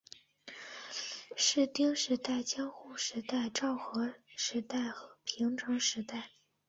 室町时代江户时代昭和时期平成时期